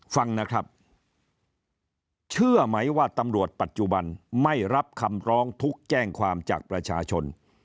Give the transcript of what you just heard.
ฟังนะครับเชื่อไหมว่าตำรวจปัจจุบันไม่รับคำร้องทุกข์แจ้งความจากประชาชน